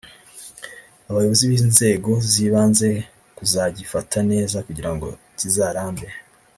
abayobozi b’inzego z’ibanze kuzagifata neza kugira ngo kizarambe